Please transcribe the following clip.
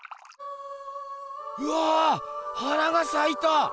うわ花がさいた！